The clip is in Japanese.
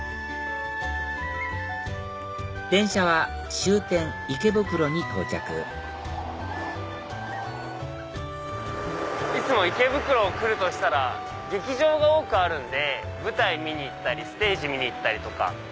電車は終点池袋に到着いつも池袋来るとしたら劇場が多くあるんで舞台見に行ったりステージ見に行ったりとか。